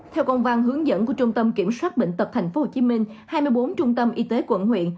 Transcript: theo công văn hướng dẫn của trung tâm kiểm soát bệnh tật tp hcm hai mươi bốn trung tâm y tế quận huyện